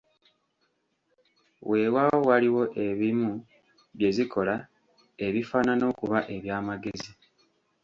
Weewaawo waliwo ebimu bye zikola, ebifaanana okuba eby'amagezi.